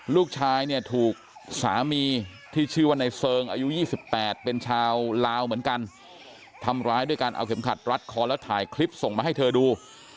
ลูกชายเนี่ยถูกสามีที่ชื่อว่าในเซิงอายุ๒๘เป็นชาวลาวเหมือนกันทำร้ายด้วยการเอาเข็มขัดรัดคอแล้วถ่ายคลิปส่งมาให้เธอดู